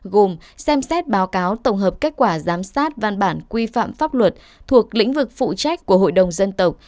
gồm xem xét báo cáo tổng hợp kết quả giám sát văn bản quy phạm pháp luật thuộc lĩnh vực phụ trách của hội đồng dân tộc